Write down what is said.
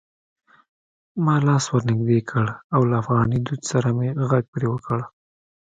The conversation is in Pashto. ما لاس ور نږدې کړ او له افغاني دود سره مې غږ پرې وکړ: